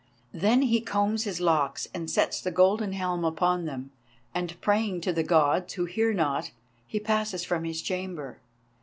Then he combs his locks and sets the golden helm upon them, and, praying to the Gods who hear not, he passes from his chamber.